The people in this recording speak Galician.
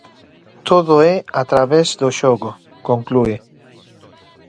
"Todo é a través do xogo", conclúe.